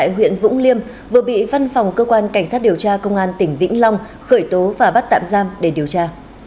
tại huyện vũng liêm vừa bị văn phòng cơ quan cảnh sát điều tra công an tỉnh vĩnh long khởi tố và bắt tạm giam để điều tra